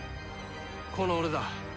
この俺だ。